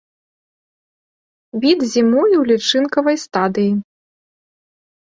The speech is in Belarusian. Від зімуе ў лічынкавай стадыі.